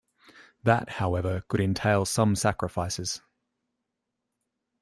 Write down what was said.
That, however, could entail some sacrifices.